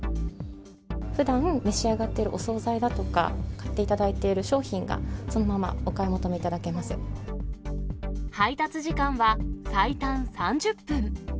ふだん召し上がっているお総菜だとか、買っていただいている商品がそのままお買い求めいただ配達時間は最短３０分。